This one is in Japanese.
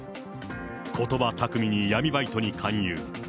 ことば巧みに闇バイトに勧誘。